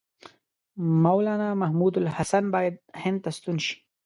مولنا محمودالحسن باید هند ته ستون شي.